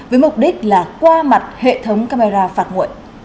với mục đích là qua mặt hệ thống camera phạt nguội